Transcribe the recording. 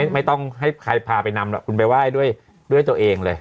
ไม่ต้องให้ใครพาไปนำหรอกคุณไปไหว้ด้วยตัวเองเลย